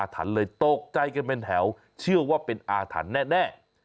ถันเลยตกใจกันเป็นแถวเชื่อว่าเป็นอาถรรพ์แน่